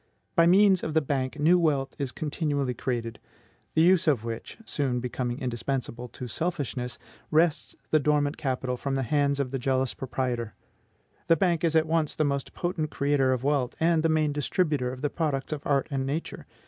By means of the Bank new wealth is continually created, the use of which (soon becoming indispensable to selfishness) wrests the dormant capital from the hands of the jealous proprietor. The banker is at once the most potent creator of wealth, and the main distributor of the products of art and Nature.